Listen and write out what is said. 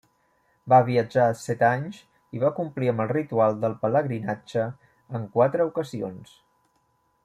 Va viatjar set anys i va complir amb el ritual del pelegrinatge en quatre ocasions.